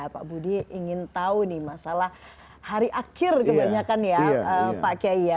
pak budi ingin tahu nih masalah hari akhir kebanyakan ya pak kiai ya